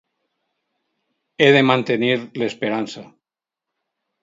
He de mantenir l'esperança.